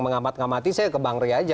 mengamat ngamati saya ke bang riaja